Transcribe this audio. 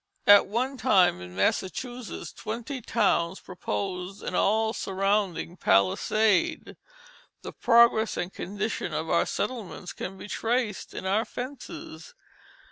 At one time in Massachusetts, twenty towns proposed an all surrounding palisade. The progress and condition of our settlements can be traced in our fences.